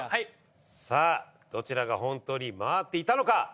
さあどちらが本当に回っていたのか。